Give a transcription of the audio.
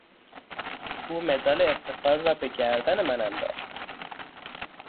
او مدال افتخار را به گردن من انداخت